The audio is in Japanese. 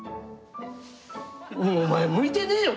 お前向いてねえよ